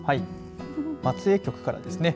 松江局からです。